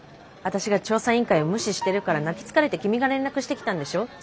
私が調査委員会を無視してるから泣きつかれて君が連絡してきたんでしょ？